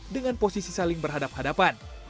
dengan posisi saling berhadapan hadapan